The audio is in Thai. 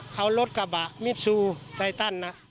เขารถกระบะมิซูไตตันนะ